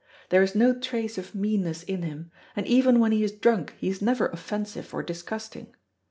There is no trace of meanness in him, and even when he is drunk he is never offensive or disgusting.